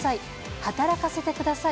働かせてください。